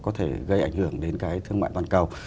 có thể gây ảnh hưởng đến cái thương mại toàn cầu